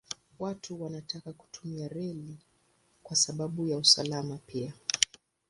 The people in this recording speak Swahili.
Watu wanataka kutumia reli kwa sababu ya usalama pia.